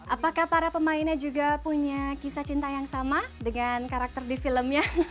apakah para pemainnya juga punya kisah cinta yang sama dengan karakter di filmnya